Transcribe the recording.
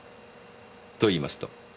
といいますと？